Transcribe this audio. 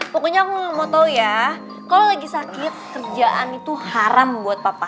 pokoknya aku mau tau ya kalau lagi sakit kerjaan itu haram buat papa